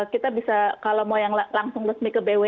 kita bisa kalau mau yang langsung resmi ke bw